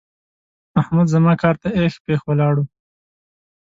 احمد زما کار ته اېښ پېښ ولاړ وو.